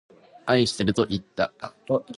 愛してるといった。